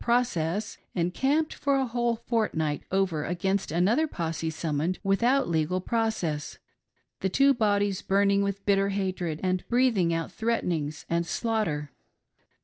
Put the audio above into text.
process " encamped " for a whole fortnight over against another posse summoned without legal process, the two bodies burning with bitter hatred and breath ing out threatenings and slaughter.